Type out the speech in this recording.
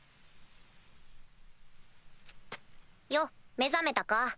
よっ目覚めたか？